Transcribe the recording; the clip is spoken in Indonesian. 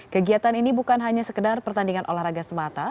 kegiatan ini bukan hanya sekedar pertandingan olahraga semata